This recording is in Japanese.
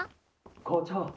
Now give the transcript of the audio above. ・校長